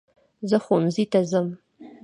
زہ ښوونځي ته ځم